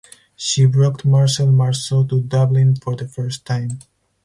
She brought Marcel Marceau to Dublin for the first time.